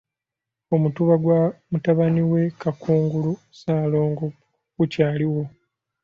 Omutuba gwa mutabani we Kakungulu Ssaalongo gukyaliwo.